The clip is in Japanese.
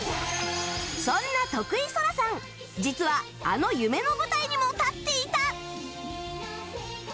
そんな徳井青空さん実はあの夢の舞台にも立っていた！